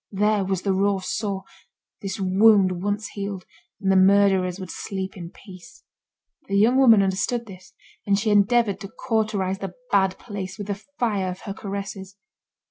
There was the raw sore; this wound once healed, and the murderers would sleep in peace. The young woman understood this, and she endeavoured to cauterise the bad place with the fire of her caresses.